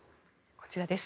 こちらです。